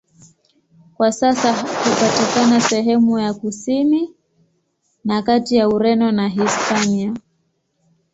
Kwa sasa hupatikana sehemu ya kusini na kati ya Ureno na Hispania.